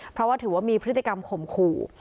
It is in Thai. เพราะว่าถือว่ามีพฤติกรรมข่มขู่